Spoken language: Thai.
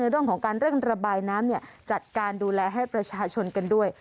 เรื่องของการเร่งระบายน้ำจัดการดูแลให้ประชาชนกันด้วย